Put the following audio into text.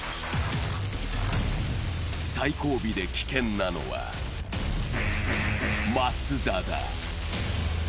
最後尾で危険なのは、松田だ。